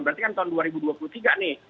berarti kan tahun dua ribu dua puluh tiga nih